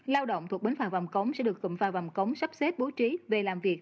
lao động thuộc bến phà vàm cống sẽ được cầm phà vàm cống sắp xếp bố trí về làm việc